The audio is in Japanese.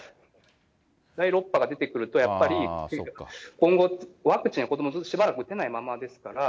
第６波が出てくると、やっぱり、今後、ワクチンは子ども、しばらく打てないままですから。